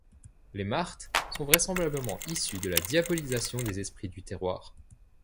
Les martes sont vraisemblablement issues de la diabolisation des esprits du terroir.